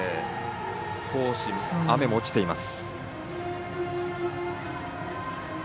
少し雨も落ちています。